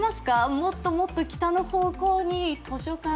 もっともっと北の方向に図書館が。